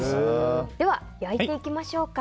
では、焼いていきましょうか。